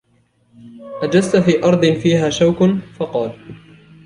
أَجَزْتَ فِي أَرْضٍ فِيهَا شَوْكٌ ؟ فَقَالَ